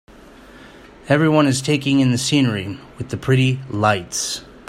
every one is taking in the scenery, with the pretty Lights.